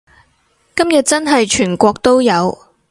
今日真係全國都有